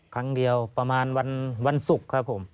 ครั้งเดียวประมาณวันศุกร์ครับผม